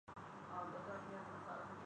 تو وہ حالات کو کنٹرول نہ کر سکیں۔